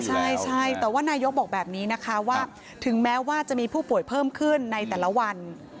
ใช่ใช่แต่ว่านายกบอกแบบนี้นะคะว่าถึงแม้ว่าจะมีผู้ป่วยเพิ่มขึ้นในแต่ละวัน